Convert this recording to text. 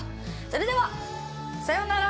それではさようなら！